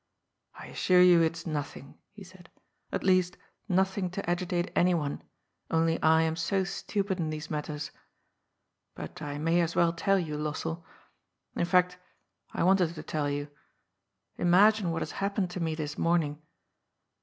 " I assure you it's nothing," he said, " at least nothing to agitate anyone, only I am so stupid in these matters. But I may as well tell you, Lossell. In fact, I wanted to tell you. Imagine what has happened to me this morning.